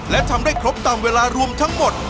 และทำได้ครบตามเวลารวมทั้งหมด